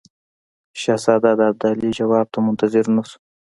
شهزاده د ابدالي جواب ته منتظر نه شو.